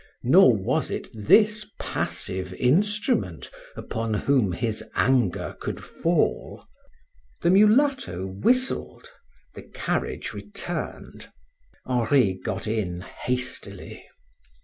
Nor was it this passive instrument upon whom his anger could fall. The mulatto whistled, the carriage returned. Henri got in hastily.